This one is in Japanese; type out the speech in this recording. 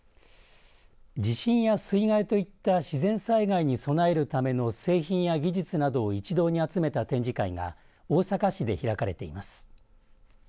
地震や水害といった自然災害に備えるための製品や技術などを一堂に集めた展示会が大阪市で開かれています。